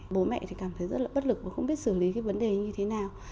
bố mẹ thì cảm thấy rất là bất lực và không biết xử lý cái vấn đề như thế nào